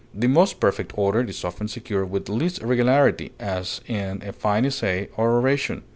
The most perfect order is often secured with least regularity, as in a fine essay or oration.